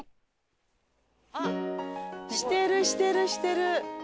してるしてるしてる。